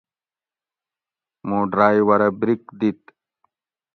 موں ڈرایٔورہ بریک دِت